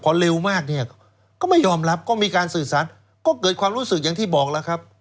พอเร็วมากเนี่ยก็ไม่ยอมรับก็มีการสื่อสารก็เกิดความรู้สึกอย่างที่บอกแล้วครับ